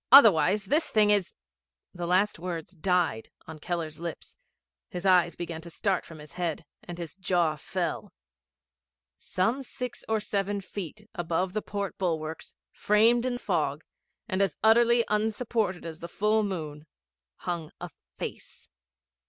Otherwise this thing is ' The last words died on Keller's lips, his eyes began to start from his head, and his jaw fell. Some six or seven feet above the port bulwarks, framed in fog, and as utterly unsupported as the full moon, hung a Face.